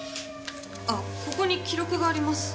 あここに記録があります。